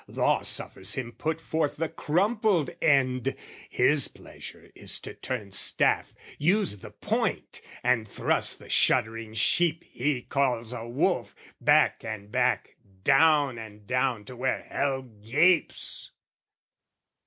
Law suffers him put forth the crumpled end, His pleasure is to turn staff, use the point, And thrust the shuddering sheep he calls a wolf, Back and back, down and down to where hell gapes!